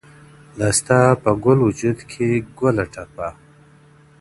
دا سـتـا پــه گـــل وجــود كـي گـلــه ټــپـــه_